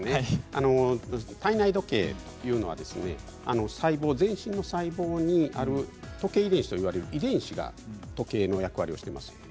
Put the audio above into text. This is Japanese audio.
体内時計というのは全身の細胞にある時計遺伝子と呼ばれる遺伝子が時計の役割をしているんです。